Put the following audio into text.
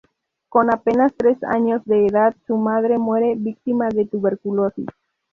Con apenas tres años de edad, su madre muere, víctima de tuberculosis.